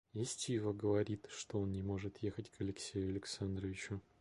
И Стива говорит, что он не может ехать к Алексею Александровичу.